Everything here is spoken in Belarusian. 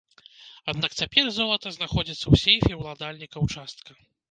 Аднак цяпер золата знаходзіцца ў сейфе ўладальніка ўчастка.